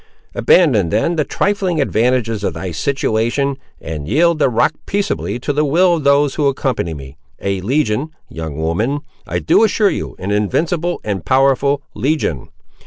Abandon, then, the trifling advantages of thy situation, and yield the rock peaceably to the will of those who accompany me—a legion, young woman—I do assure you an invincible and powerful legion!